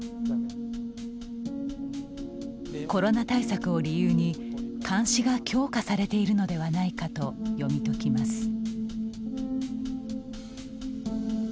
コロナ対策を理由に、監視が強化されているのではないかと読み解きます。